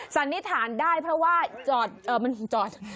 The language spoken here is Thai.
สันนิษฐานได้เพราะว่าจอดมันจอด